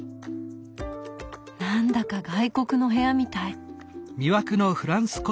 何だか外国の部屋みたい。